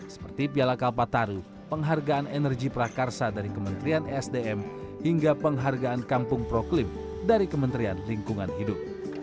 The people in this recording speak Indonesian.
seperti piala kalpataru penghargaan energi prakarsa dari kementerian esdm hingga penghargaan kampung proklim dari kementerian lingkungan hidup